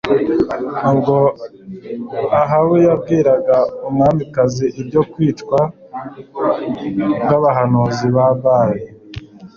Ubwo Ahabu yabwiraga umwamikazi ibyo kwicwa kwabahanuzi ba Bali